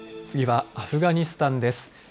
次はアフガニスタンです。